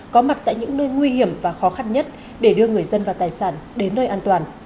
có mặt tại những nơi nguy hiểm và khó khăn nhất để đưa người dân và tài sản đến nơi an toàn